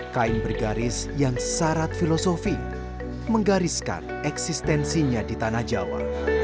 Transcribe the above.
kain bergaris yang syarat filosofi menggariskan eksistensinya di tanah jawa